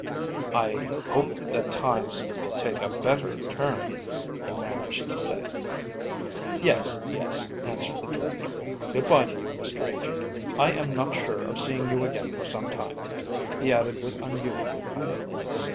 "I hope that times will take a better turn," he managed to say. "Yes, yes," answered the director. "Good bye to you, Mr. Agent! I am not sure of seeing you again for some time," he added with unusual kindliness.